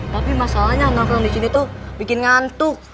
tapi masalahnya nongkrong di sini tuh bikin ngantuk